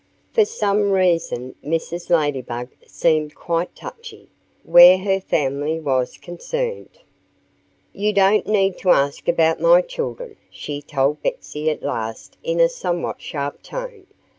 For some reason Mrs. Ladybug seemed quite touchy, where her family was concerned. "You don't need to ask about my children," she told Betsy at last in a somewhat sharp tone.